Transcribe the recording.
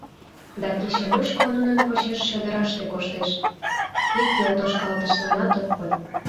Да кече мучко нунын почеш чодыраште коштеш, ик йолтошкалтышланат ок код.